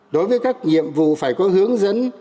đối với các nhiệm vụ phải có hướng dẫn